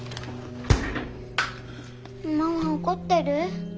ママ怒ってる？